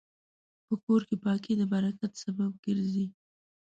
په کور کې پاکي د برکت سبب ګرځي.